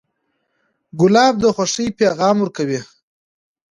ګلان د خوښۍ پیغام ورکوي.